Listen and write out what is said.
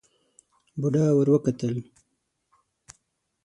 بوډا ور وکتل.